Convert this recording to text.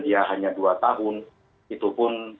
dia hanya dua tahun itu pun